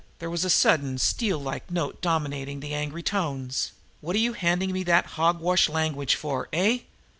There was a sudden, steel like note dominating the angry tones. "What are you handing me that hog wash language for? Eh?